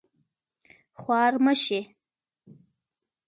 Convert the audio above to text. خوار مه شې